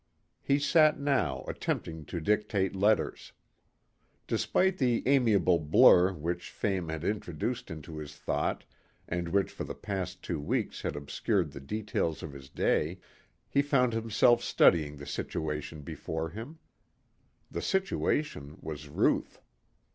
He sat now attempting to dictate letters. Despite the amiable blur which fame had introduced into his thought and which for the past two weeks had obscured the details of his day, he found himself studying the situation before him. The situation was Ruth.